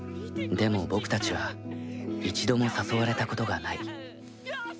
でも、僕たちは一度も誘われたことがない。